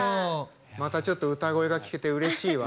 また、ちょっと歌声が聴けてうれしいわ。